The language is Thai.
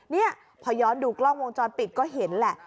นี่พอย้อนดูกล้องวงจรปิดก็เห็นแหละ